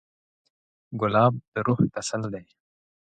ګلاب د روح تسل دی.